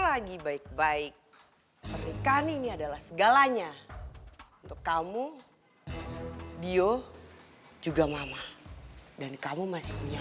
lagi baik baik pernikahan ini adalah segalanya untuk kamu dio juga mama dan kamu masih punya